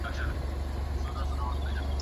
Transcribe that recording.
زه که د صحرا لوټه هم یم کله خو به دي په کار سم